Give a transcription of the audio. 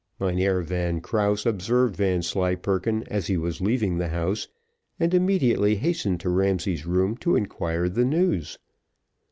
Mynheer Van Krause observed Vanslyperken as he was leaving the house, and immediately hastened to Ramsay's room to inquire the news.